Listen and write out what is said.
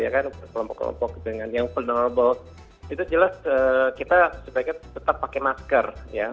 kelompok kelompok dengan yang penerbal itu jelas kita sebaiknya tetap pakai masker